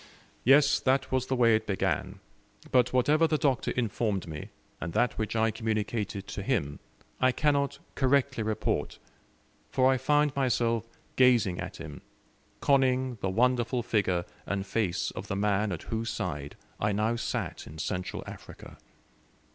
Yes, that was the way it began: but whatever the Doctor informed me, and that which I communicated to him, I cannot correctly report, for I found myself gazing at him, conning the wonderful figure and face of the man at whose side I now sat in Central Africa.